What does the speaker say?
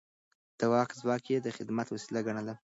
د واک ځواک يې د خدمت وسيله ګڼله.